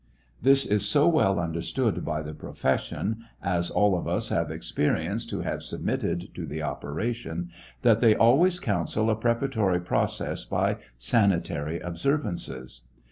This is so well understood by the profession — as all of us have experienced who have submitted to the operation — that they always counsel a preparatory process by sanitary observances.